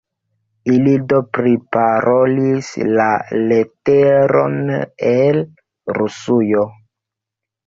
Ili do priparolis la leteron el Rusujo.